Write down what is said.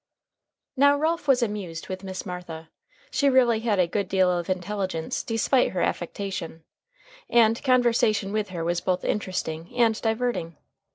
Now Ralph was amused with Miss Martha. She really had a good deal of intelligence despite her affectation, and conversation with her was both interesting and diverting.